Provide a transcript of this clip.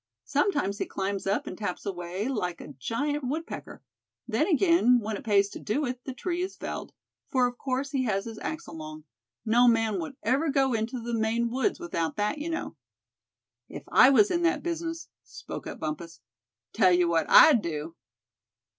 Sometimes he climbs up, and taps away like a giant woodpecker. Then again, when it pays to do it, the tree is felled; for of course he has his axe along; no man would ever go into the Maine woods without that, you know." "If I was in that business," spoke up Bumpus, "tell you what I'd do."